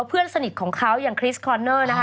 เพื่อนสนิทของเขาอย่างคริสคอนเนอร์นะคะ